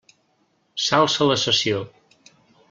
S'alça la sessió.